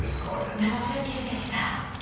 生中継でした。